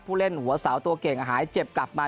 เล่นหัวเสาตัวเก่งหายเจ็บกลับมา